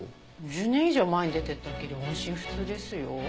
１０年以上前に出て行ったっきり音信不通ですよ。